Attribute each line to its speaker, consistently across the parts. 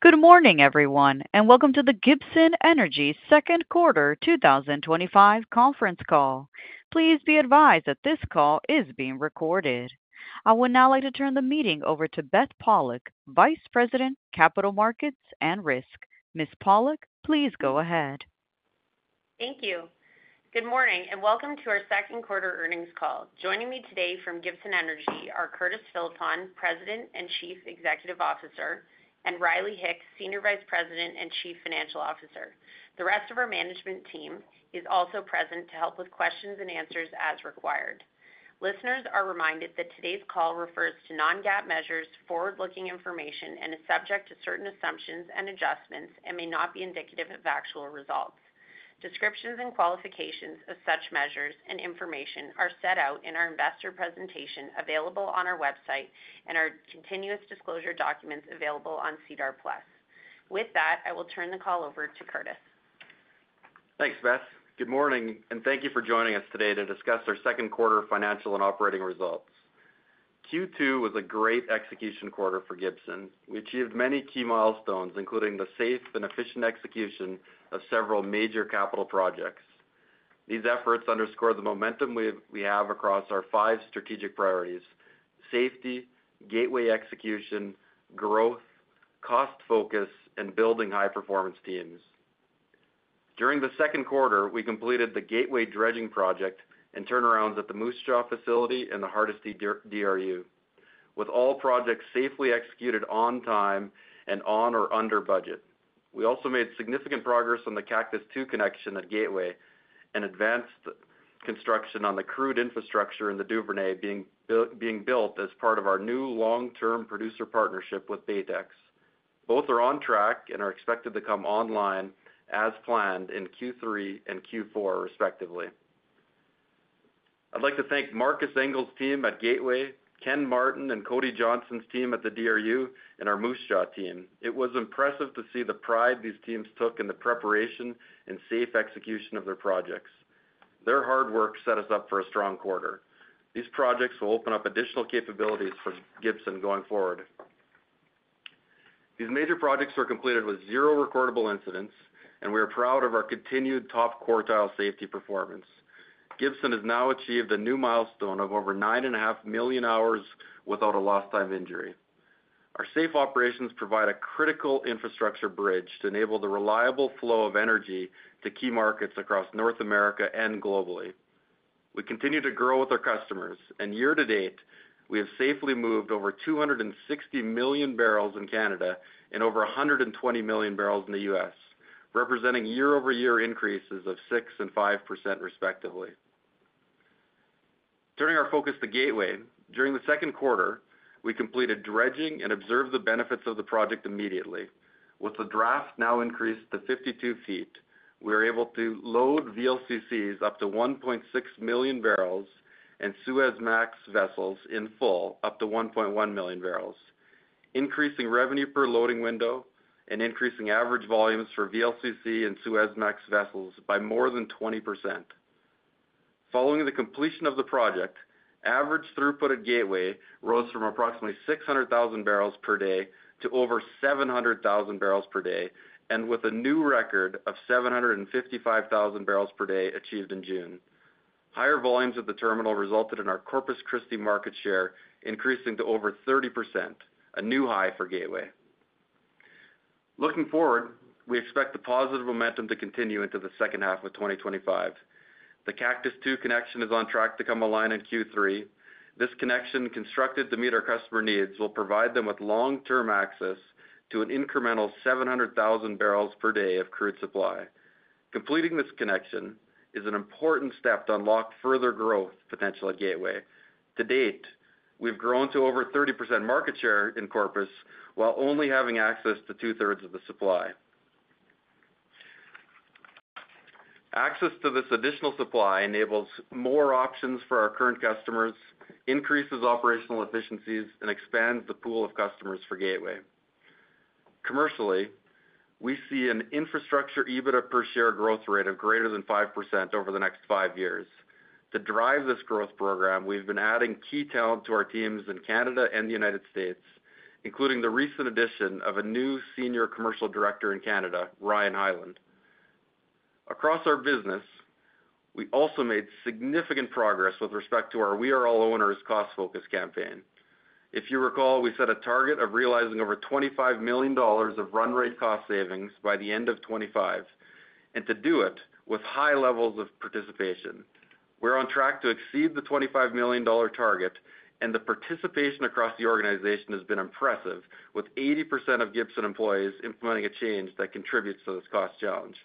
Speaker 1: Good morning everyone and welcome to the Gibson Energy second quarter 2025 conference call. Please be advised that this call is being recorded. I would now like to turn the meeting over to Beth Pollock, Vice President, Capital Markets and Risk. Ms. Pollock, please go ahead.
Speaker 2: Thank you. Good morning and welcome to our second quarter earnings call. Joining me today from Gibson Energy are Curtis Philippon, President and Chief Executive Officer, and Riley Hicks, Chief Financial Officer. The rest of our management team is also present to help with questions and answers as required. Listeners are reminded that today's call refers to non-GAAP measures, forward-looking information and is subject to certain assumptions and adjustments and may not be indicative of actual results. Descriptions and qualifications of such measures and information are set out in our investor presentation available on our website and in our continuous disclosure documents available on SEDAR+. With that I will turn the call over to Curtis.
Speaker 3: Thanks, Beth. Good morning and thank you for joining us today to discuss our second quarter financial and operating results. Q2 was a great execution quarter for Gibson Energy. We achieved many key milestones, including the safe and efficient execution of several major capital projects. These efforts underscore the momentum we have across our five strategic priorities: Safety, Gateway execution, growth, cost focus, and building high performance teams. During the second quarter, we completed the Gateway dredging project and turnarounds at the Moose Jaw facility and the Hardisty DRU, with all projects safely executed on time and on or under budget. We also made significant progress on the Cactus II connection at Gateway and advanced construction on the crude infrastructure in the Duvernay being built as part of our new long-term producer partnership with Baytex. Both are on track and are expected to come online as planned in Q3 and Q4, respectively. I'd like to thank Marcus Engel's team at Gateway, Ken Martin and Cody Johnson's team at the DRU, and our Moose Jaw team. It was impressive to see the pride these teams took in the preparation and safe execution of their projects. Their hard work set us up for a strong quarter. These projects will open up additional capabilities for Gibson Energy going forward. These major projects were completed with zero recordable incidents, and we are proud of our continued top quartile safety performance. Gibson has now achieved a new milestone of over 9.5 million hours without a lost time injury. Our safe operations provide a critical infrastructure bridge to enable the reliable flow of energy to key markets across North America and globally. We continue to grow with our customers, and year to date we have safely moved over 260 million bbl in Canada and over 120 million bbl in the U.S., representing year over year increases of 6% and 5%, respectively. Turning our focus to Gateway, during the second quarter we completed dredging and observed the benefits of the project immediately. With the draft now increased to 52 ft, we are able to load VLCCs up to 1.6 million bbl and Suezmax vessels in full up to 1.1 million bbl, increasing revenue per loading window and increasing average volumes for VLCC and Suezmax vessels by more than 20%. Following the completion of the project, average throughput at Gateway rose from approximately 600,000 bbl per day to over 700,000 bbl per day, and with a new record of 755,000 bbl per day achieved in June, higher volumes at the terminal resulted in our Corpus Christi market share increasing to over 30%, a new high for Gateway. Looking forward, we expect the positive momentum to continue into the second half of 2025. The Cactus II connection is on track to come online in Q3. This connection, constructed to meet our customer needs, will provide them with long-term access to an incremental 700,000 bbl per day of crude supply. Completing this connection is an important step to unlock further growth potential at Gateway. To date, we've grown to over 30% market share in Corpus while only having access to two-thirds of the supply. Access to this additional supply enables more options for our current customers, increases operational efficiencies, and expands the pool of customers for Gateway. Commercially, we see an infrastructure EBITDA per share growth rate of greater than 5% over the next five years. To drive this growth program, we've been adding key talent to our teams in Canada and the U.S., including the recent addition of a new Senior Commercial Director in Canada, Ryan Hyland. Across our business, we also made significant progress with respect to our We Are All Owners cost focus campaign. If you recall, we set a target of realizing over $25 million of run-rate cost savings by the end of 2025 and to do it with high levels of participation. We're on track to exceed the $25 million target, and the participation across the organization has been impressive, with 80% of Gibson employees implementing a change that contributes to this cost challenge.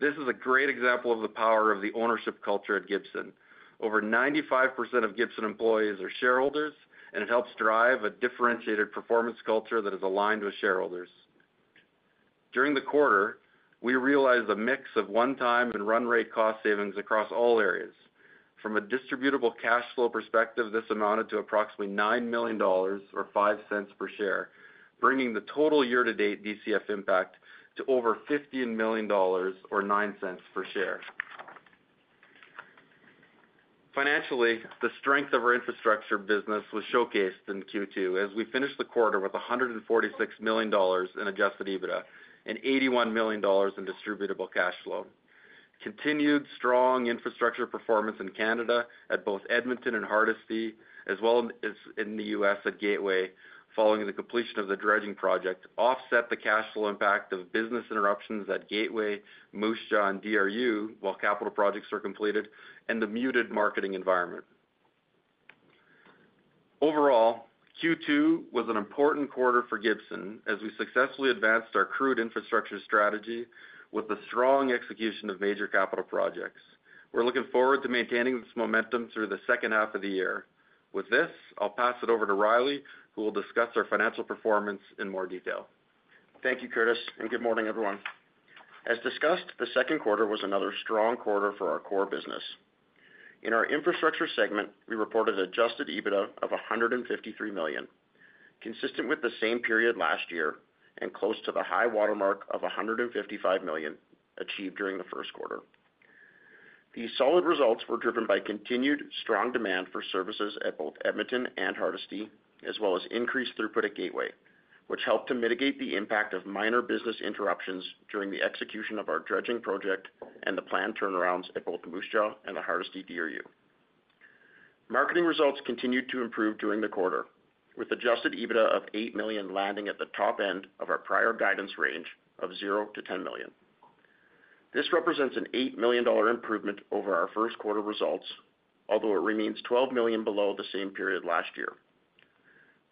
Speaker 3: This is a great example of the power of the ownership culture at Gibson. Over 95% of Gibson employees are shareholders, and it helps drive a differentiated performance culture that is aligned with shareholders. During the quarter, we realized a mix of one-time and run-rate cost savings across all areas. From a distributable cash flow perspective, this amounted to approximately $9 million or $0.05 per share, bringing the total year-to-date DCF impact to over $15 million or $0.09 per share. Financially, the strength of our infrastructure business was showcased in Q2 as we finished the quarter with $146 million in adjusted EBITDA and $81 million in distributable cash flow. Continued strong infrastructure performance in Canada at both Edmonton and Hardisty as well as in the U.S. at Gateway following the completion of the dredging project offset the cash flow impact of business interruptions at Gateway, Moose Jaw, and DRU while capital projects are completed and the muted Marketing environment overall. Q2 was an important quarter for Gibson Energy as we successfully advanced our crude infrastructure strategy with the strong execution of major capital projects. We're looking forward to maintaining this momentum through the second half of the year. With this, I'll pass it over to Riley who will discuss our financial performance in more detail.
Speaker 4: Thank you, Curtis, and good morning, everyone. As discussed, the second quarter was another strong quarter for our core business. In our infrastructure segment, we reported adjusted EBITDA of $153 million, consistent with the same period last year and close to the high watermark of $155 million achieved during the first quarter. These solid results were driven by continued strong demand for services at both Edmonton and Hardisty, as well as increased throughput at Gateway, which helped to mitigate the impact of minor business interruptions during the execution of our dredging project and the planned turnarounds at both Moose Jaw and the Hardisty DRU. Marketing results continued to improve during the quarter, with adjusted EBITDA of $8 million landing at the top end of our prior guidance range of $0-$10 million. This represents an $8 million improvement over our first quarter results, although it remains $12 million below the same period last year.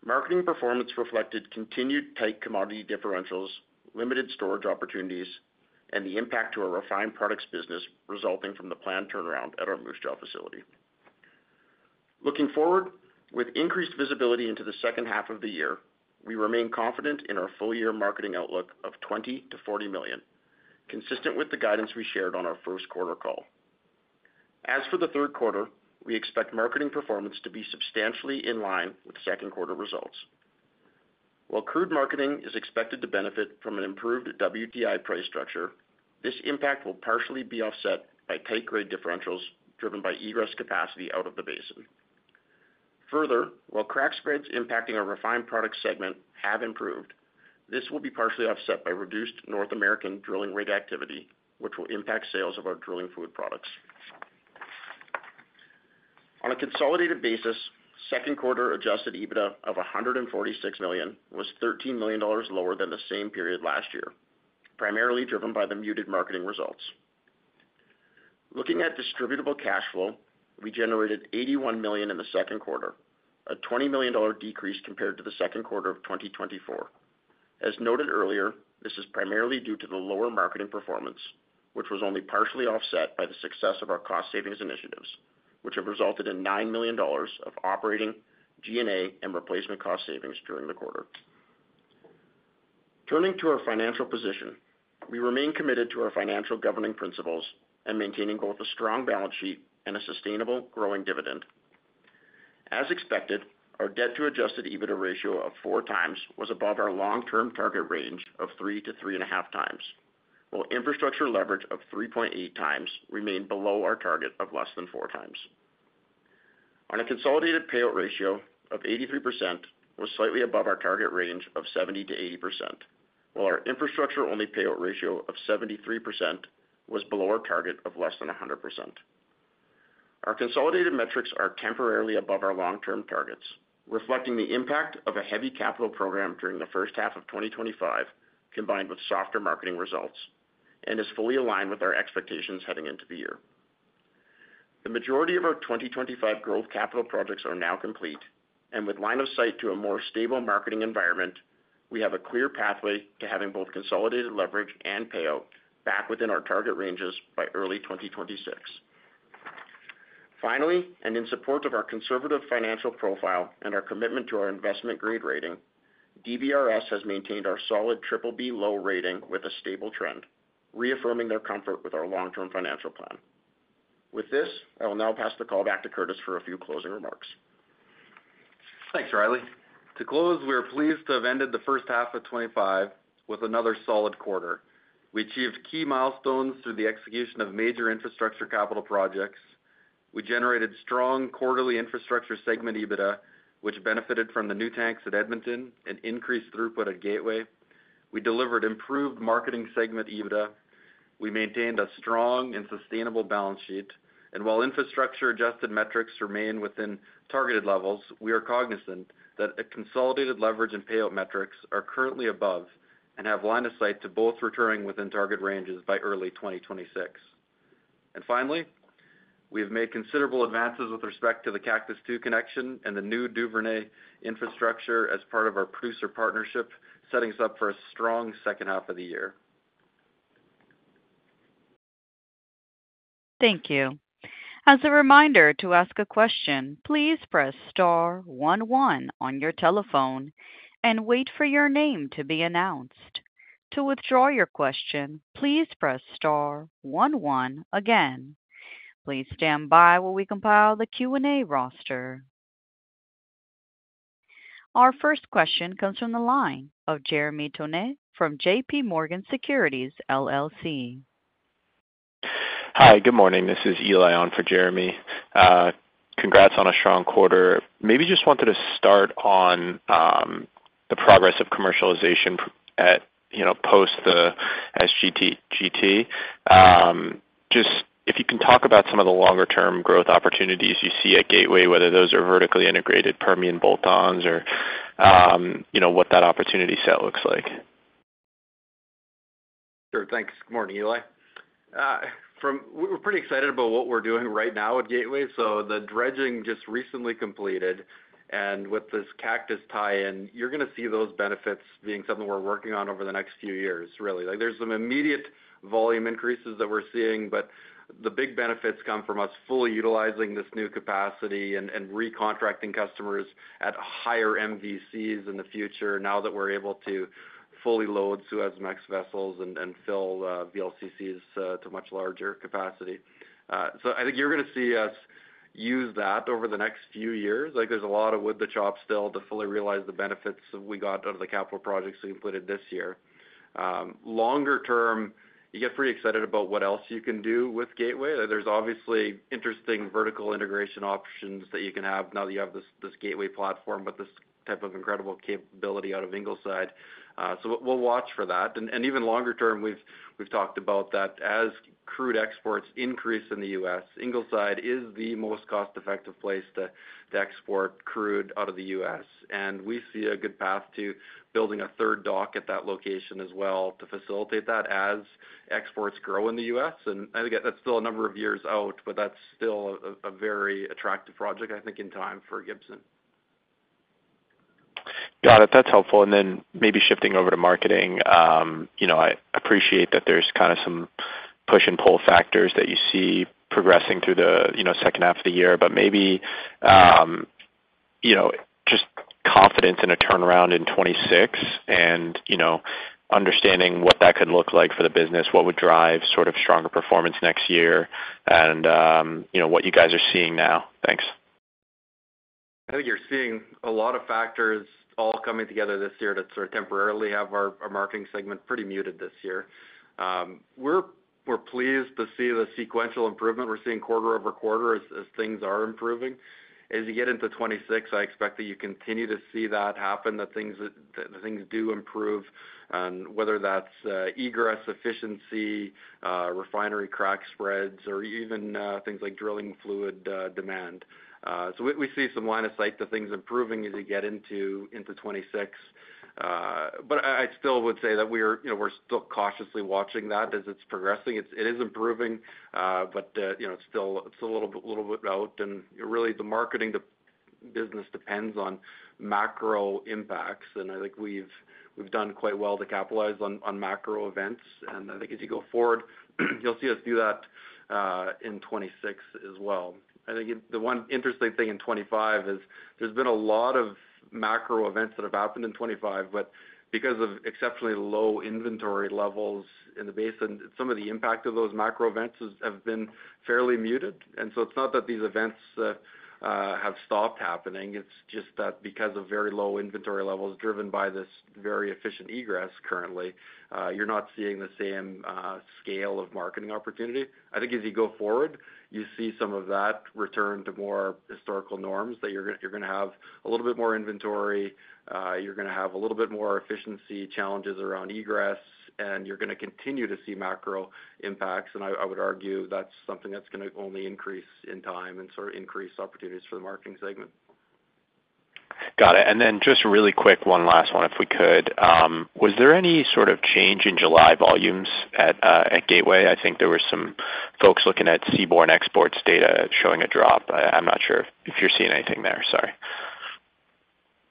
Speaker 4: Marketing performance reflected continued tight commodity differentials, limited storage opportunities, and the impact to our refined products business resulting from the planned turnaround at our Moose Jaw facility. Looking forward, with increased visibility into the second half of the year, we remain confident in our full year marketing outlook of $20 million-$40 million, consistent with the guidance we shared on our first quarter call. As for the third quarter, we expect marketing performance to be substantially in line with second quarter results. While crude marketing is expected to benefit from an improved WTI price structure, this impact will partially be offset by tight grade differentials driven by egress capacity out of the basin. Further, while crack spreads impacting our refined products segment have improved, this will be partially offset by reduced North American drilling rig activity, which will impact sales of our drilling fluid products on a consolidated basis. Second quarter adjusted EBITDA of $146 million was $13 million lower than the same period last year, primarily driven by the muted marketing results. Looking at distributable cash flow, we generated $81 million in the second quarter, a $20 million decrease compared to the second quarter of 2024. As noted earlier, this is primarily due to the lower marketing performance, which was only partially offset by the success of our cost savings initiatives, which have resulted in $9 million of operating G&A and replacement cost savings during the quarter. Turning to our financial position, we remain committed to our financial governing principles and maintaining both a strong balance sheet and a sustainable growing dividend. As expected, our debt to adjusted EBITDA ratio of 4x was above our long-term target range of 3-3.5x, while infrastructure leverage of 3.8x remained below our target of less than 4x. On a consolidated payout ratio of 83%, this was slightly above our target range of 70-80%, while our infrastructure-only payout ratio of 73% was below our target of less than 100%. Our consolidated metrics are temporarily above our long-term targets, reflecting the impact of a heavy capital program during the first half of 2025 combined with softer marketing results and is fully aligned with our expectations heading into the year. The majority of our 2025 growth capital projects are now complete, and with line of sight to a more stable marketing environment, we have a clear pathway to having both consolidated leverage and payout back within our target ranges by early 2026. Finally, in support of our conservative financial profile and our commitment to our investment-grade rating, DBRS has maintained our solid BBB low rating with a stable trend, reaffirming their comfort with our long-term financial plan. With this, I will now pass the call back to Curtis for a few closing remarks.
Speaker 3: Thanks Riley. To close, we are pleased to have ended the first half of 2025 with another solid quarter. We achieved key milestones through the execution of major infrastructure capital projects. We generated strong quarterly infrastructure segment EBITDA, which benefited from the new tax at Edmonton and increased throughput at Gateway. We delivered improved marketing segment EBITDA, we maintained a strong and sustainable balance sheet, and while infrastructure adjusted metrics remain within targeted levels, we are cognizant that consolidated leverage and payout metrics are currently above and have line of sight to both recurring within target ranges by early 2026. Finally, we have made considerable advances with respect to the Cactus II connection and the new Duvernay infrastructure as part of our producer partnership, setting us up for a strong second half of the year.
Speaker 1: Thank you. As a reminder, to ask a question, please press star one one on your telephone and wait for your name to be announced. To withdraw your question, please press star one one again. Please stand by while we compile the Q&A roster. Our first question comes from the line of Jeremy Tone from J.P. Morgan Securities LLC. Hi, good morning, this is Eli on for Jeremy. Congrats on a strong quarter. Maybe just wanted to start on the progress of commercialization post the SGT. If you can talk about some. Of the longer term growth opportunities you see at Gateway, whether those are vertically integrated Permian bolt-ons or what that opportunity set looks like.
Speaker 3: Thanks. Good morning, Eli. We're pretty excited about what we're doing right now at Gateway. The dredging just recently completed, and with this Cactus tie-in, you're going to see those benefits being something we're working on over the next few years. There are some immediate volume increases that we're seeing, but the big benefits come from us fully utilizing this new capacity and recontracting customers at higher MVCs in the future now that we're able to fully load Suez Max vessels and fill VLCCs to much larger capacity. I think you're going to see us use that over the next few years. There is a lot of wood to chop still to fully realize the benefits we got out of the capital projects we completed this year. Longer term, you get pretty excited about what else you can do with Gateway. There are obviously interesting vertical integration options that you can have now that you have this Gateway platform with this type of incredible capability out of Ingleside. We'll watch for that, and even longer term, we've talked about that as crude exports increase in the U.S. Ingleside is the most cost-effective place to export crude out of the U.S., and we see a good path to building a third dock at that location as well to facilitate that as exports grow in the U.S. That's still a number of years out, but that's still a very attractive project, I think, in time for Gibson Energy. Got it. That's helpful. Maybe shifting over to Marketing. I appreciate that there's kind of some push and pull factors that you see progressing through the second half of the year, but maybe just confidence in a turnaround in 2026 and understanding what that could look like for the business. What would drive sort of stronger performance next year, and what you guys are seeing now. I think you're seeing a lot of factors all coming together this year to sort of temporarily have our Marketing segment pretty muted this year. We're pleased to see the sequential improvement. We're seeing quarter over quarter as things are improving. As you get into 2026, I expect that you continue to see that happen, that things do improve, whether that's egress, efficiency, refinery crack spreads, or even things like drilling fluid demand. We see some line of sight to things improving as you get into 2026, but I still would say that we are still cautiously watching that as it's progressing. It is improving, but it's a little bit out. Really, the Marketing business depends on macro impacts, and I think we've done quite well to capitalize on macro events, and I think as you go forward, you'll see us do that in 2026 as well. I think the one interesting thing in 2025 is there's been a lot of macro events that have happened in 2025, but because of exceptionally low inventory levels in the basin, some of the impact of those macro events have been fairly muted. It's not that these events have stopped happening, it's just that because of very low inventory levels driven by this very efficient egress, currently you're not seeing the same scale of Marketing opportunity. I think as you go forward, you see some of that return to more historical norms, that you're going to have a little bit more inventory, you're going to have a little bit more efficiency challenges around egress, and you're going to continue to see macro impacts. I would argue that's something that's going to only increase in time and sort of increase opportunities for the Marketing segment. Got it. Just really quick, one last one if we could. Was there any sort of change in July volumes at Gateway? I think there were some folks looking at Seaborne Exports data showing a drop. I'm not sure if you're seeing anything there. Sorry,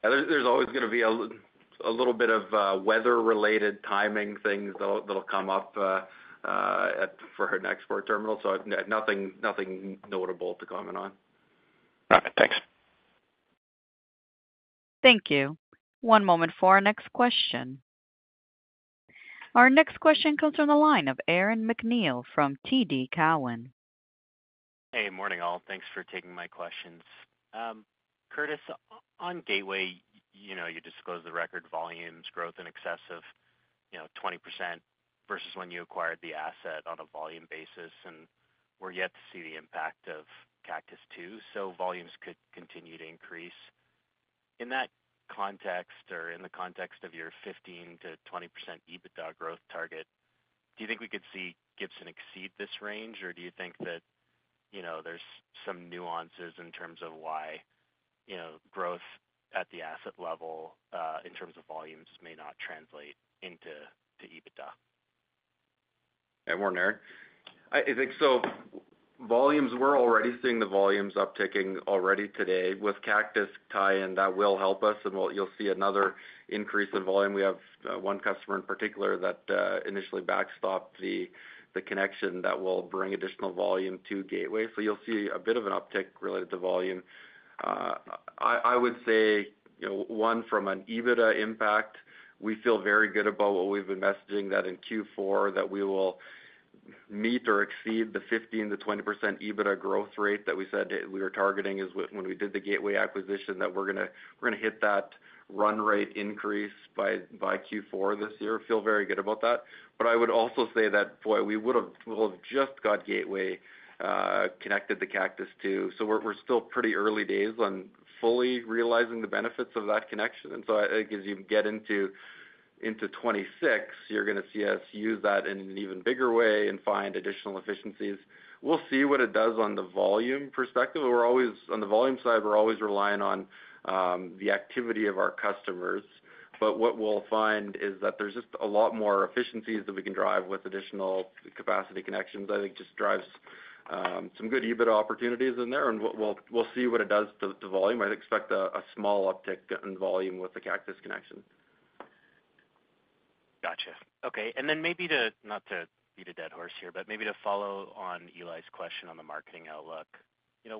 Speaker 3: there's always going to be a little bit of weather-related timing things that will come up for our next port terminal. Nothing notable to comment on. All right, thanks.
Speaker 1: Thank you. One moment for our next question. Our next question comes from the line of Aaron MacNeil from TD Cowen.
Speaker 5: Hey, morning all. Thanks for taking my questions. Curtis, on Gateway, you disclosed the record volumes growth in excess of 20% versus when you acquired the asset on a volume basis. We're yet to see the impact of Cactus II, so volumes could continue to increase in that context or in the context of your 15-20% EBITDA growth target. Do you think we could see Gibson exceed this range, or do you think that there's some nuances in terms of why growth at the asset level in terms of volumes may not translate into EBITDA, Warner?
Speaker 3: I think so. Volumes. We're already seeing the volumes upticking already today with Cactus II connection. That will help us, and you'll see another increase in volume. We have one customer in particular that initially backstopped the connection that will bring additional volume to Gateway. You'll see a bit of an uptick related to volume. I would say from an EBITDA impact, we feel very good about what we've been messaging that in Q4 we will meet or exceed the 15-20% EBITDA growth rate that we said we were targeting when we did the Gateway acquisition, that we're going to hit that run-rate increase by Q4 this year. Feel very good about that. I would also say that we would have just got Gateway connected to Cactus II. We're still pretty early days on fully realizing the benefits of that connection. As you get into 2026, you're going to see us use that in an even bigger way and find additional efficiencies. We'll see what it does on the volume perspective. On the volume side, we're always relying on the activity of our customers. What we'll find is that there's just a lot more efficiencies that we can drive with additional capacity connections. I think it just drives some good EBITDA opportunities in there, and we'll see what it does to volume. I expect a small uptick in volume with the Cactus II connection.
Speaker 5: Gotcha. Okay. Maybe not to beat a dead horse here, but maybe to follow on Eli's question on the marketing outlook,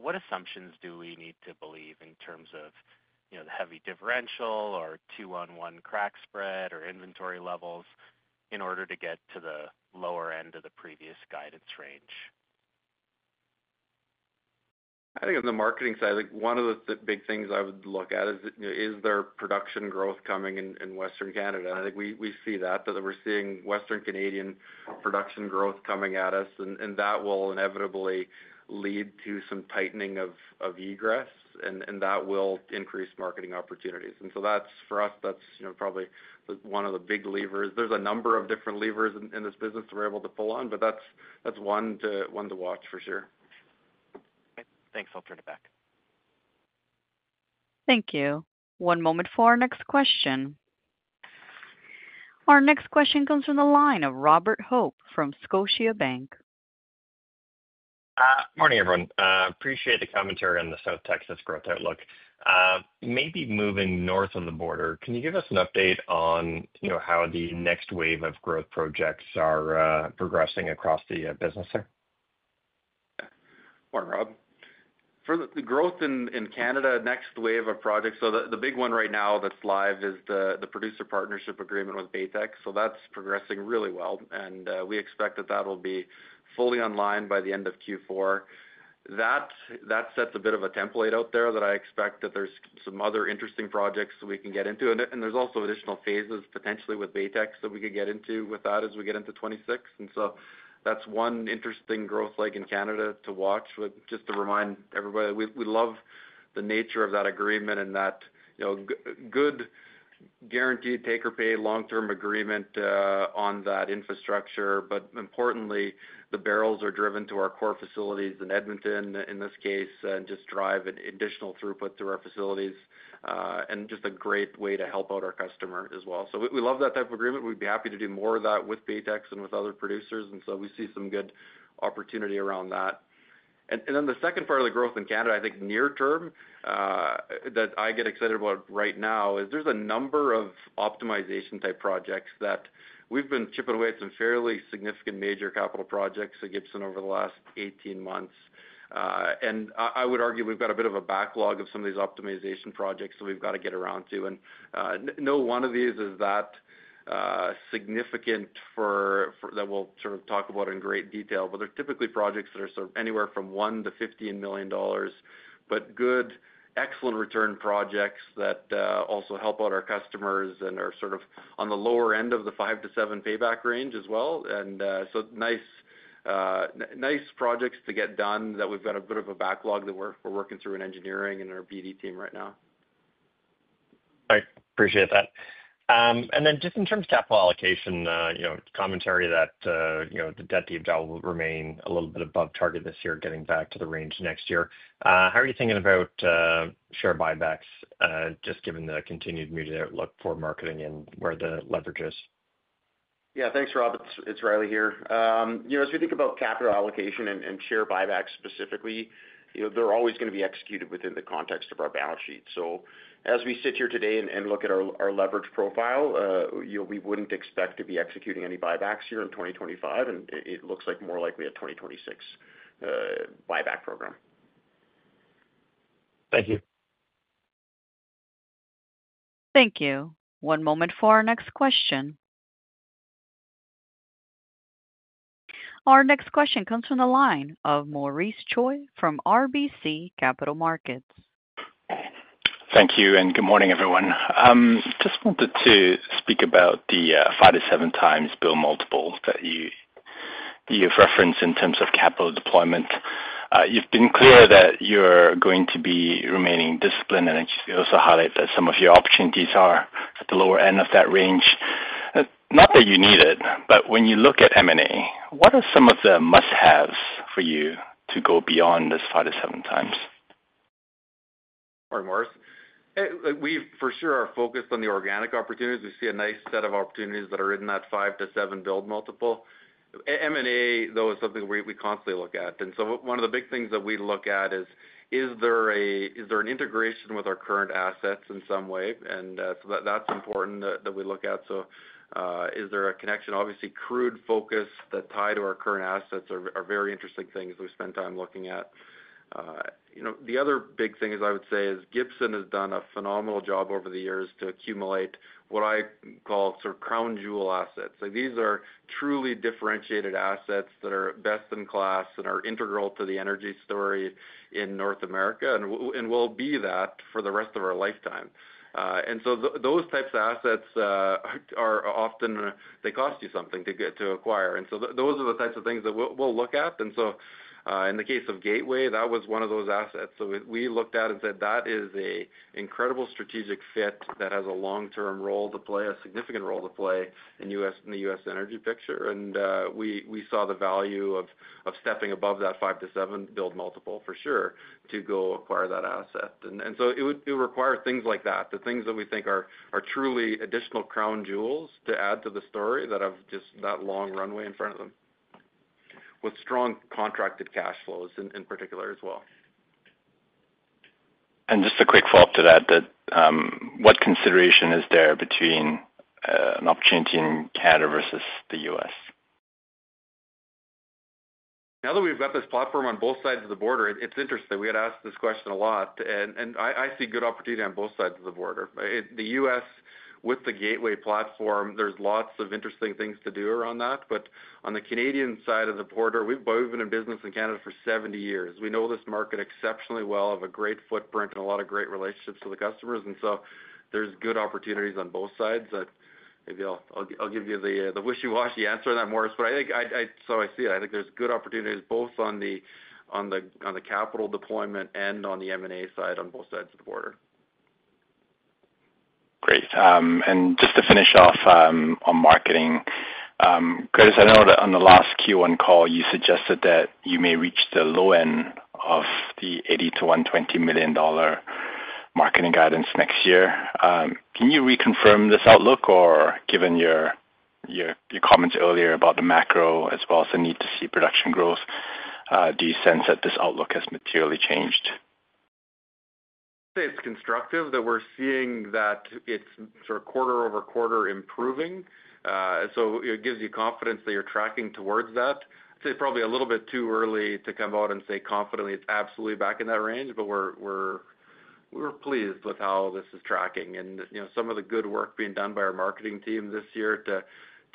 Speaker 5: what assumptions do we need to believe in terms of the heavy differential or two on one crack spread or inventory levels in order to get to the lower end of the previous guidance range.
Speaker 3: I think on the Marketing side, one of the big things I would look at is, is there production growth coming in Western Canada? I think we see that, that we're seeing Western Canadian production growth coming at us, and that will inevitably lead to some tightening of egress, and that will increase Marketing opportunities. For us, that's probably one of the big levers. There are a number of different levers in this business that we're able to pull on, but that's one to watch for sure. Thanks.
Speaker 5: I'll turn it back.
Speaker 1: Thank you. One moment for our next question. Our next question comes from the line of Robert Hope from Scotiabank.
Speaker 6: Morning everyone. Appreciate the commentary on the South Texas growth outlook, maybe moving north on the border. Can you give us an update on how the next wave of growth projects are progressing across the business there?
Speaker 3: Rob, for the growth in Canada next wave of projects. The big one right now that's live is the producer partnership agreement with Baytex. That's progressing really well and we expect that will be fully online by the end of Q4. That sets a bit of a template out there that I expect there's some other interesting projects we can get into and there's also additional phases potentially with Baytex that we could get into with that as we get into 2026. That's one interesting growth leg in Canada to watch. Just to remind everybody, we love the nature of that agreement and that good guaranteed take or pay long-term agreement on that infrastructure. Importantly, the bbl are driven to our core facilities in Edmonton in this case and just drive additional throughput through our facilities and just a great way to help out our customer as well. We love that type of agreement. We'd be happy to do more of that with Baytex and with other producers and we see some good opportunity around that. The second part of the growth in Canada I think near term that I get excited about right now is there's a number of optimization type projects that we've been chipping away at, some fairly significant major capital projects at Gibson Energy over the last 18 months, and I would argue we've got a bit of a backlog of some of these optimization projects that we've got to get around to. No one of these is that significant that we'll sort of talk about in great detail. They're typically projects that are anywhere from $1 million to $15 million, but good, excellent return projects that also help out our customers and are sort of on the lower end of the 5-7x payback range as well. Nice projects to get done that we've got a bit of a backlog that we're working through in engineering and our BD team right now.
Speaker 6: Appreciate that. In terms of capital allocation commentary, the debt EBITDA will remain a little bit above target this year, getting back to the range next year. How are you thinking about share buybacks just given the continued media outlook for marketing and where the leverage is?
Speaker 4: Yes, thanks Rob. It's Riley here. As we think about capital allocation and share buybacks specifically, they're always going to be executed within the context of our balance sheet. As we sit here today and look at our leverage profile, we wouldn't expect to be executing any buybacks here in 2025. It looks more likely at the 2023 buyback program.
Speaker 6: Thank you.
Speaker 2: Thank you. One moment for our next question. Our next question comes from the line of Maurice Choy from RBC Capital Markets.
Speaker 7: Thank you and good morning everyone. Just wanted to speak about the 5-7x build multiple that you’ve referenced in terms of capital deployment. You’ve been clear that you’re going to be remaining disciplined and also highlight that some of your opportunities are at the lower end of that range. Not that you need it, but when you look at M&A, what are some of the must haves for you to go beyond this 5-7x?
Speaker 3: We for sure are focused on the organic opportunities. We see a nice set of opportunities that are in that 5-7x build multiple. M&A, though, is something we constantly look at. One of the big things that we look at is whether there is an integration with our current assets in some way. That is important that we look at. Is there a connection? Obviously, crude-focused opportunities that tie to our current assets are very interesting things that we spend time looking at. The other big thing I would say is Gibson Energy has done a phenomenal job over the years to accumulate what I call crown jewel assets. These are truly differentiated assets that are best in class and are integral to the energy story in North America and will be that for the rest of our lifetime. Those types of assets often cost you something to acquire, and those are the types of things that we'll look at. In the case of Gateway, that was one of those assets. We looked at it and said that is an incredible strategic fit that has a long-term role to play, a significant role to play in the U.S. energy picture. We saw the value of stepping above that 5-7x build multiple for sure to go acquire that asset. It would require things like that, the things that we think are truly additional crown jewels to add to the story that have just that long runway in front of them with strong contracted cash flows in particular as well.
Speaker 7: Just a quick follow up to that. What consideration is there between an opportunity in Canada versus the U.S.?
Speaker 3: Now that we've got this platform on both sides of the border? It's interesting, we had asked this question a lot, and I see good opportunity on both sides of the border. The U.S. with the Gateway platform, there's lots of interesting things to do around that. On the Canadian side of the border, we've been in business in Canada for 70 years. We know this market exceptionally well, have a great footprint, and a lot of great relationships with the customers. There's good opportunities on both sides. I'll give you the wishy-washy answer to that, Maurice, but I think so. I see it. I think there's good opportunities both on the capital deployment and on the M&A side on both sides of the border. Great.
Speaker 7: To finish off on Marketing, Curtis, I know that on the last Q1 call you suggested that you may reach the low end of the $80 million-$120 million Marketing guidance next year. Can you reconfirm this outlook? Given your comments earlier about the macro as well as the need to see production growth, do you sense that this outlook has materially changed?
Speaker 3: It's constructive that we're seeing that it's quarter over quarter improving, so it gives you confidence that you're tracking towards that. I'd say probably a little bit too early to come out and say confidently it's absolutely back in that range. We were pleased with how this is tracking and some of the good work being done by our marketing team this year to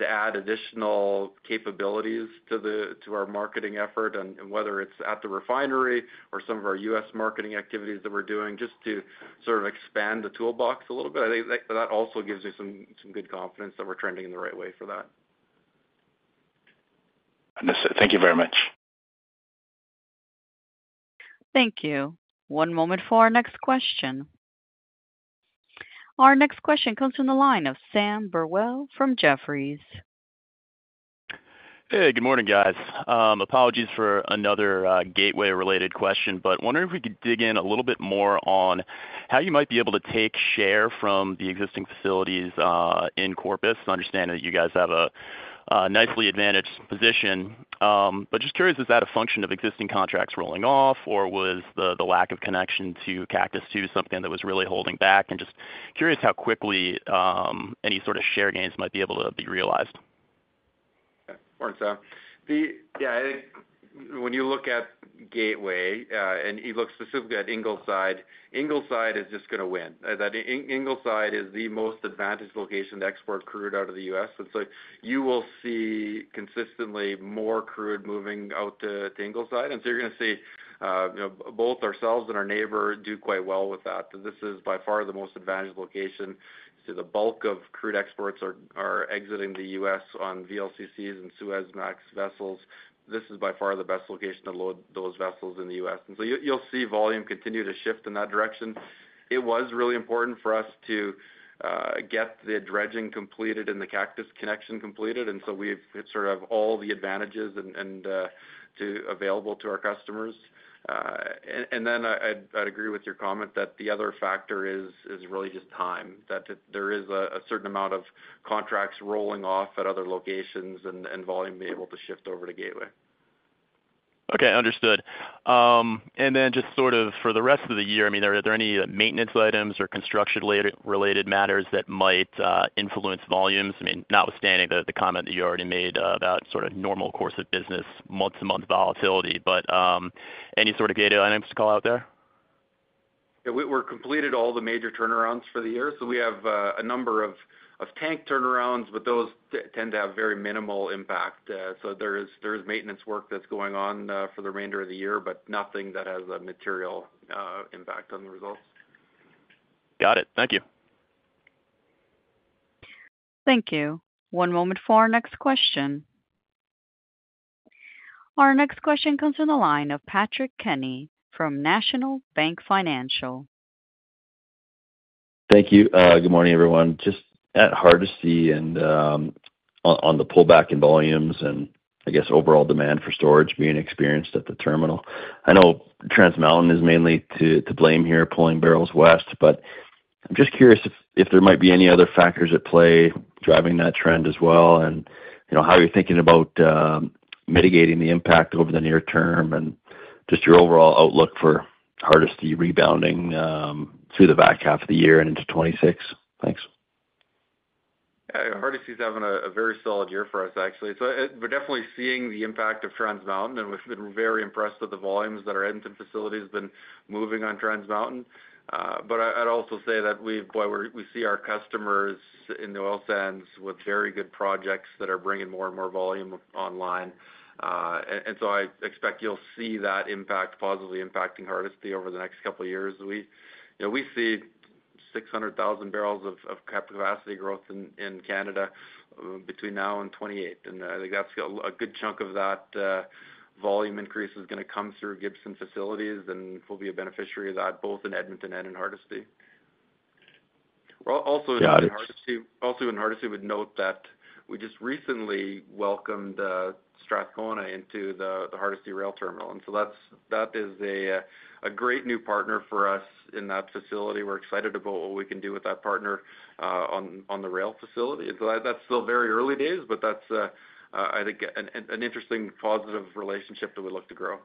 Speaker 3: add additional capabilities to our marketing effort. Whether it's at the refinery or some of our U.S. marketing activities that we're doing just to sort of expand the toolbox a little bit, I think that also gives you some good confidence that we're trending in the right way for that.
Speaker 7: Thank you very much.
Speaker 1: Thank you. One moment for our next question. Our next question comes from the line of Sam Burwell from Jefferies.
Speaker 8: Hey, good morning guys. Apologies for another Gateway related question, but wondering if we could dig in a little bit more on how you might be able to take share from the existing facilities in Corpus. I understand that you guys have a nicely advantaged position, but just curious, is that a function of existing contracts rolling off, or was the lack of connection to Cactus II something that was really holding back? Just curious how quickly any sort of share gains might be able to be realized.
Speaker 3: When you look at Gateway and you look specifically at Ingleside, Ingleside is just going to win. Ingleside is the most advantaged location to export crude out of the U.S. You will see consistently more crude moving out to Ingleside, and you're going to see both ourselves and our neighbor do quite well with that. This is by far the most advantaged location. The bulk of crude exports are exiting the U.S. on VLCCs and Suezmax vessels. This is by far the best location to load those vessels in the U.S. You'll see volume continue to shift in that direction. It was really important for us to get the dredging completed and the Cactus II connection completed, and we sort of have all the advantages available to our customers. I'd agree with your comment that the other factor is really just time, that there is a certain amount of contracts rolling off at other locations and volume being able to shift over to Gateway.
Speaker 8: Okay, understood. For the rest of the year, are there any maintenance items or construction related matters that might influence volumes? Notwithstanding the comment that you already made about normal course of business month to month volatility, any data items to call out there?
Speaker 3: We completed all the major turnarounds for the year. We have a number of tank turnarounds, but those tend to have very minimal impact. There is maintenance work that's going on for the remainder of the year, but nothing that has a material impact on the results.
Speaker 8: Got it. Thank you.
Speaker 1: Thank you. One moment for our next question. Our next question comes from the line of Patrick Kenny from National Bank Financial.
Speaker 9: Thank you. Good morning everyone. It's hard to see on the pullback in volumes and I guess overall demand for storage being experienced at the terminal. I know Trans Mountain is mainly to blame here, pulling bbl west, but I'm just curious if there might be any other factors at play driving that trend as well and how you're thinking about mitigating the impact over the near term and your overall outlook for Hardisty rebounding through the back half of the year and into 2026. Thanks.
Speaker 3: Hardisty is having a very solid year for us actually. We're definitely seeing the impact of Trans Mountain, and we've been very impressed with the volumes that our Edmonton facility has been moving on Trans Mountain. I'd also say that we see our customers in the oil sands with very good projects that are bringing more and more volume online, and I expect you'll see that positively impacting Hardisty over the next couple years. We see 600,000 bbl of capacity growth in Canada between now and 2028, and I think a good chunk of that volume increase is going to come through Gibson Energy facilities, and we'll be a beneficiary of that both in Edmonton and in Hardisty. Also, in Hardisty, I would note that we just recently welcomed Strathcona into the Hardisty rail terminal, and that is a great new partner for us in that facility. We're excited about what we can do with that partner on the rail facility. That's still very early days, but that's, I think, an interesting positive relationship that we look to grow.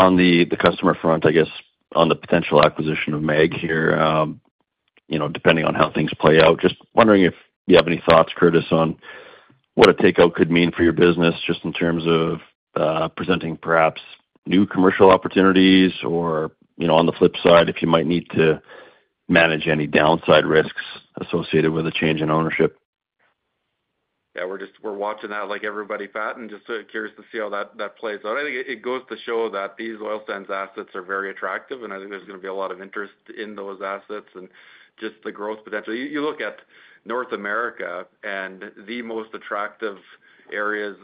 Speaker 9: On the customer front, I guess, on the potential acquisition of Meg here, you know, depending on how things play out, just wondering if you have any thoughts, Curtis, on what a takeout could mean for your business, just in terms of presenting perhaps new commercial opportunities or, you know, on the flip side, if you might need to manage any downside risks associated with a change in ownership.
Speaker 3: Yeah, we're just watching that like everybody, Pat, and just curious to see how that plays out. I think it goes to show that these oil sands assets are very attractive. I think there's going to be a lot of interest in those assets and just the growth potential. You look at North America, and the most attractive areas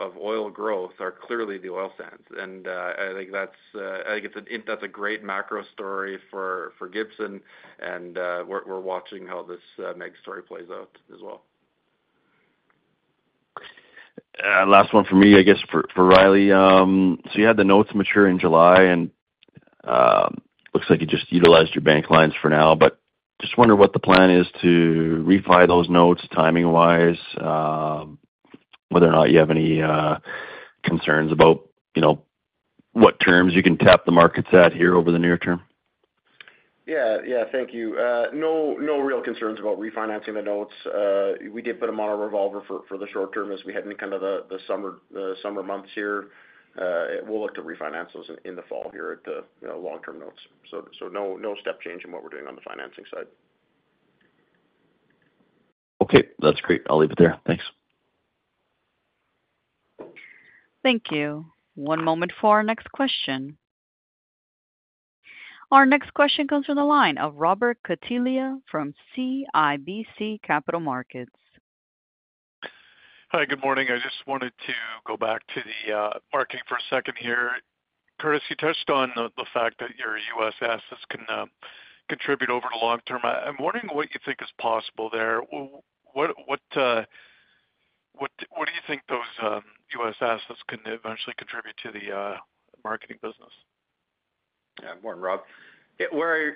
Speaker 3: of oil growth are clearly the oil sands. I think that's a great macro story for Gibson Energy. We're watching how this MEG story plays out as well.
Speaker 9: Last one for me, I guess, for Riley. You had the notes mature in July and it looks like you just utilized your bank lines for now. I just wonder what the plan is to refi those notes timing wise, whether or not you have any concerns about what terms you can tap the markets at here over the near term.
Speaker 4: Yes, thank you. No real concerns about refinancing the notes. We did put them on our revolver. For the short term as we head into kind of the summer months here, we'll look to refinance those in the fall here at the long term notes. No step change in what we're doing on the financing side.
Speaker 9: Okay, that's great. I'll leave it there. Thanks.
Speaker 1: Thank you. One moment for our next question. Our next question comes from the line of Robert Catellier from CIBC Capital Markets.
Speaker 10: Hi, good morning. I just wanted to go back to the Marketing for a second here. Curtis, you touched on the fact that your U.S. assets can contribute over the long term. I'm wondering what you think is possible there. What do you think those U.S. assets can eventually contribute to the Marketing business?
Speaker 3: Rob,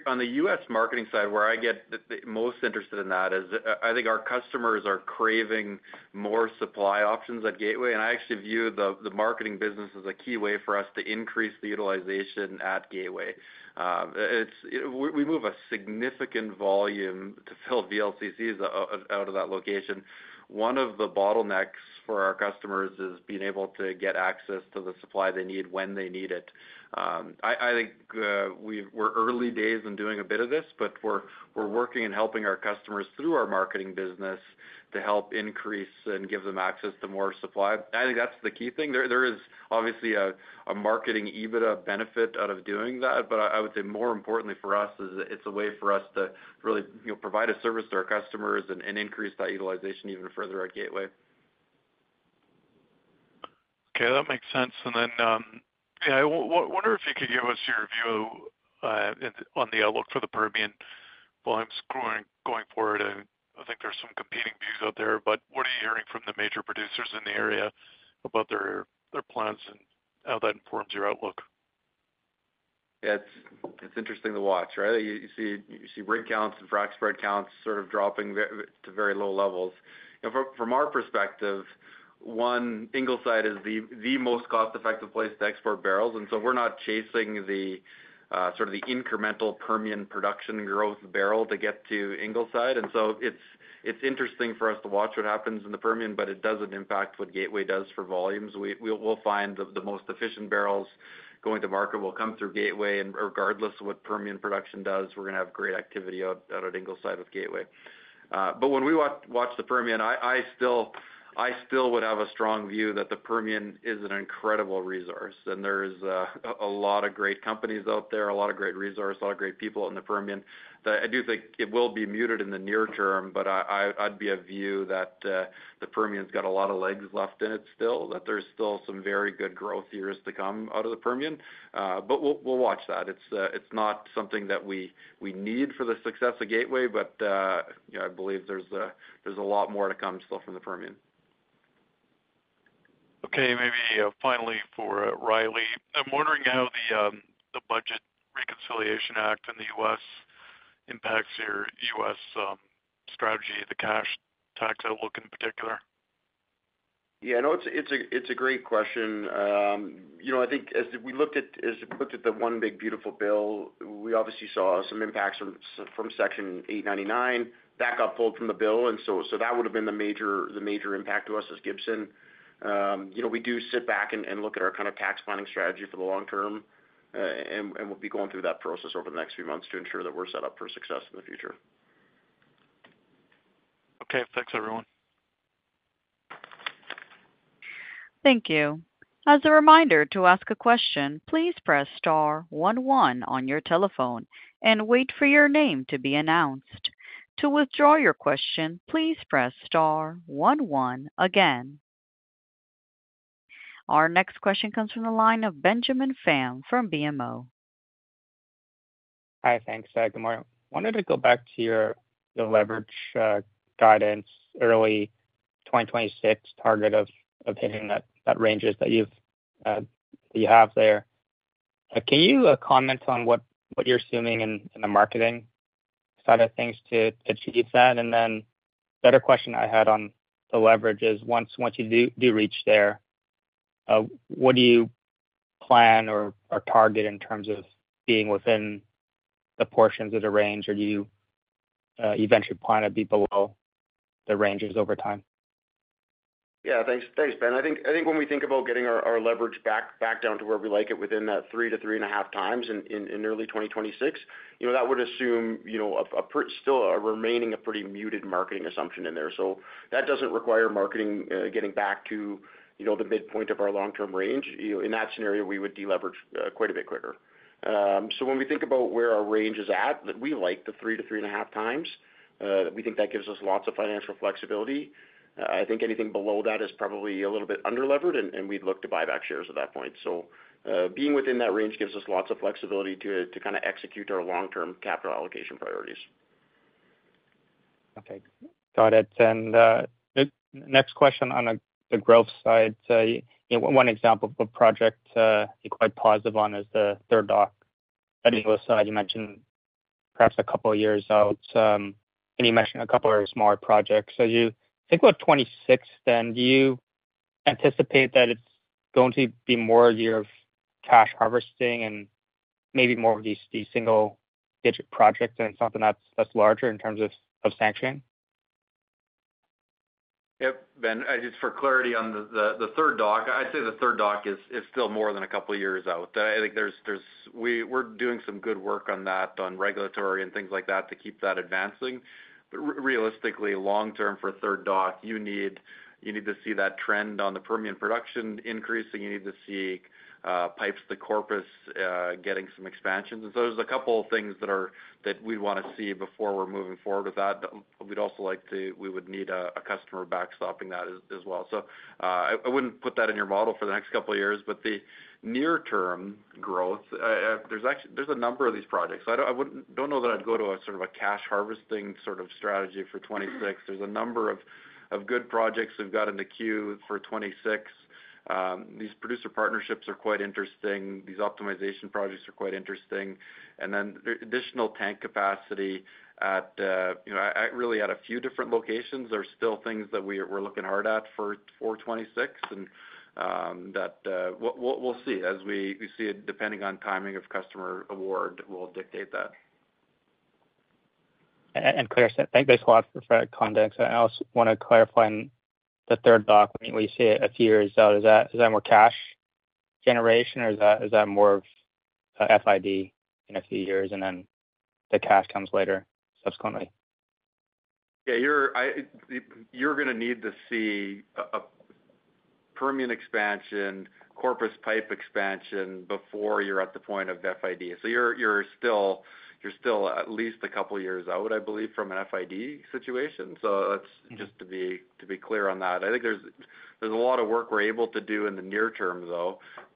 Speaker 3: on the U.S. Marketing side, where I get most interested in that is I think our customers are craving more supply options at Gateway. I actually view the Marketing business as a key way for us to increase the utilization at Gateway. We move a significant volume to fill VLCCs out of that location. One of the bottlenecks for our customers is being able to get access to the supply they need when they need it. I think we're early days in doing a bit of this, but we're working and helping our customers through our Marketing business to help increase and give them access to more supply. I think that's the key thing. There is obviously a Marketing EBITDA benefit out of doing that. I would say more importantly for us, it's a way for us to really provide a service to our customers and increase that utilization even further at Gateway.
Speaker 10: Okay, that makes sense. I wonder if you could give us your view on the outlook for the Permian volumes going forward. I think there's some competing views out. There, but what are you hearing from the major producers in the area about their plans and how that informs your outlook?
Speaker 3: Yes, it's interesting to watch, right? You see rig counts and frac spread counts dropping to very low levels from our perspective. One, Ingleside is the most cost effective place to export bbl. We're not chasing the incremental Permian production growth barrel to get to Ingleside. It's interesting for us to watch what happens in the Permian, but it doesn't impact what Gateway does for volumes. We'll find the most efficient bbl going to market will come through Gateway. Regardless of what Permian production does, we're going to have great activity out at Ingleside with Gateway. When we watch the Permian, I still would have a strong view that the Permian is an incredible resource and there are a lot of great companies out there, a lot of great resources, a lot of great people in the Permian. I do think it will be muted in the near term, but I'd be a view that the Permian's got a lot of legs left in it, that there's still some very good growth years to come out of the Permian. We'll watch that. It's not something that we need for the success of Gateway, but I believe there's a lot more to come still from the Permian.
Speaker 10: Okay, maybe finally for Riley, I'm wondering how the Budget Reconciliation Act in the U.S. impacts your U.S. strategy, the cash tax outlook in particular.
Speaker 4: Yeah, no, it's a great question. I think as we looked at, as we looked at the one. Big beautiful bill, we obviously saw some impacts from Section 899 that got pulled from the bill. That would have been the major, the major impact to us. As Gibson, you know, we do sit back and look at our kind of tax planning strategy for the long term, and we'll be going through that process over the next few months to ensure that we're set up for success in the future.
Speaker 10: Okay, thanks everyone.
Speaker 1: Thank you. As a reminder, to ask a question, please press star one one on your telephone and wait for your name to be announced. To withdraw your question, please press star one one again. Our next question comes from the line of Benjamin Pham from BMO.
Speaker 11: Hi, thanks. I wanted to go back to your leverage guidance, early 2026 target of hitting that ranges that you have there. Can you comment on what you're assuming in the marketing side of things to achieve that? A better question I had on the leverage is once you do reach there, what do you plan or target in terms of being within the portions of the range, or do you eventually plan to be below the ranges over time?
Speaker 4: Yeah, thanks Ben. I think when we think about getting. Our leverage back down to where we like it within that 3-3.5x in early 2026, that would assume still remaining a pretty muted marketing assumption in there. That doesn't require marketing getting back to the midpoint of our long term range. In that scenario, we would deleverage quite a bit quicker. When we think about where our range is at, we like the 3-3.5x. We think that gives us lots of financial flexibility. I think anything below that is probably a little bit under levered and we'd look to buy back shares at that point. Being within that range gives us lots of flexibility to kind of execute our long term capital allocation priorities.
Speaker 11: Okay, got it. Next question on the growth side, one example of a project you're quite positive on is the third dock. On the other side, you mentioned perhaps a couple of years out and you mentioned a couple of smaller projects as you think about 2026. Do you anticipate that it's going to be more a year of cash harvesting and maybe more of these single-digit projects and something that's larger in terms of sanctioning?
Speaker 3: Yep. Ben, just for clarity on the third dock, I'd say the third dock is still more than a couple years out. I think we're doing some good work on that on regulatory and things like that to keep that advancing. Realistically, long term for third dock you need to see that trend on the Permian production increasing. You need to see pipes, the Corpus getting some expansions, and there are a couple things that we want to see before we're moving forward with that. We'd also like to, we would need a customer backstopping that as well. I wouldn't put that in your model for the next couple years. The near term growth, there's a number of these projects. I don't know that I'd go to a sort of a cash harvesting sort of strategy for 2026. There's a number of good projects we've got in the queue for 2026. These producer partnerships are quite interesting. These optimization projects are quite interesting. Additional tank capacity at really at a few different locations. There are still things that we're looking hard at for 2026 and we'll see as we see, depending on timing of customer award, we'll dictate that.
Speaker 11: Claire said thanks a lot for that context. I also want to clarify the third document we see a few years. Is that more cash generation, or is that more FID in a few years and then the cash comes later subsequently?
Speaker 3: Yeah, you're going to need to see a Permian expansion, Corpus pipe expansion before you're at the point of FID. You're still at least a couple years out, I believe, from an FID situation. That's just to be clear on that. I think there's a lot of work we're able to do in the near term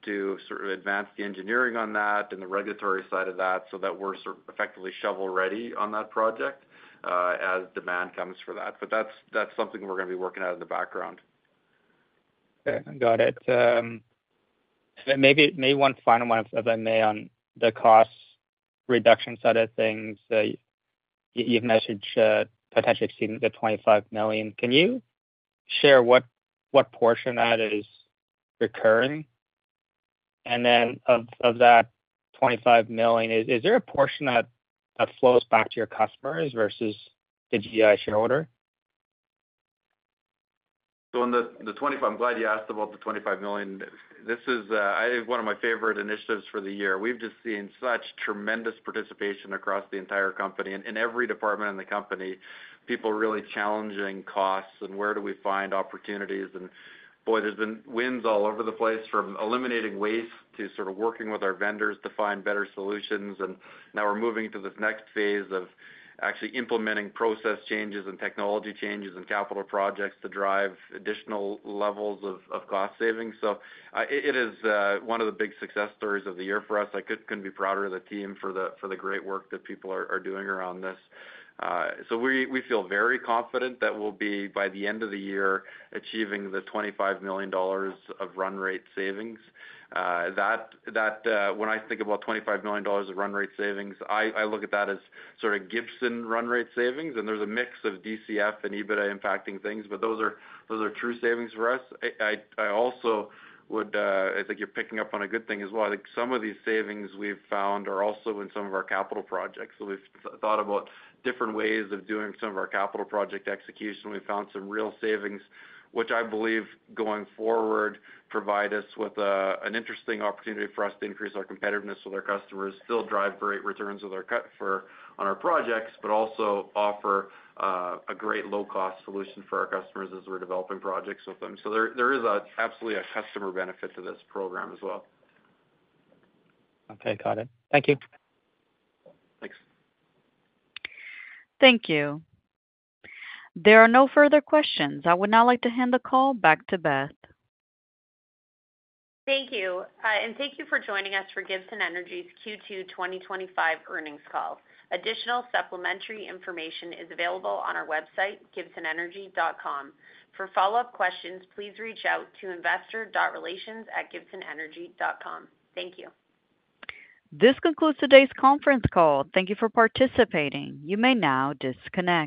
Speaker 3: to sort of advance the engineering on that and the regulatory side of that, so that we're effectively shovel ready on that project as demand comes for that. That's something we're going to be working on in the background.
Speaker 11: Got it. Maybe one final one, as I may, on the cost reduction side of things, you've messaged potentially exceeding the $25 million. Can you share what portion of that is recurring? Of that $25 million, is there a portion that flows back to your customers versus the Gibson Energy shareholder?
Speaker 3: I'm glad you asked about the $25 million. This is one of my favorite initiatives for the year. We've just seen such tremendous participation across the entire company in every department in the company. People really challenging costs and where do we find opportunities. There have been wins all over the place from eliminating waste to working with our vendors to find better solutions. We are moving to this next phase of actually implementing process changes and technology changes and capital projects to drive additional levels of cost savings. It is one of the big success stories of the year for us. I couldn't be prouder of the team for the great work that people are doing around this. We feel very confident that we'll be by the end of the year achieving the $25 million of run-rate savings. When I think about $25 million of run-rate savings, I look at that as sort of Gibson run-rate savings. There's a mix of DCF and EBITDA impacting things, but those are true savings for us. I also would, I think you're picking up on a good thing as well. I think some of these savings we've found are also in some of our capital projects. We've thought about different ways of doing some of our capital project execution. We found some real savings which I believe going forward provide us with an interesting opportunity for us to increase our competitiveness with our customers, still drive great returns on our projects, but also offer a great low-cost solution for our customers as we're developing projects with them. There is absolutely a customer benefit to this program as well.
Speaker 11: Okay, got it. Thank you.
Speaker 3: Thanks.
Speaker 1: Thank you. There are no further questions. I would now like to hand the call back to Beth.
Speaker 2: Thank you. Thank you for joining us for Gibson Energy's Q2 2025 earnings call. Additional supplementary information is available on our website, gibsonenergy.com. For follow up questions, please reach out to investor.relations@gibsonenergy.com. Thank you.
Speaker 1: This concludes today's conference call. Thank you for participating. You may now disconnect.